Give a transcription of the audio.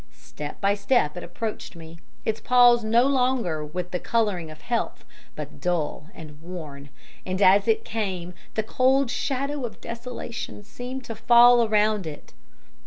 Step by step it approached me, its paws no longer with the colouring of health, but dull and worn. And as it came, the cold shadow of desolation seemed to fall around it.